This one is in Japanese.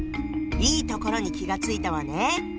いいところに気が付いたわね！